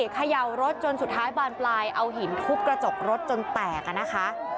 เขย่ารถจนสุดท้ายบานปลายเอาหินทุบกระจกรถจนแตกนะคะ